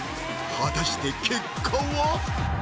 果たして結果は？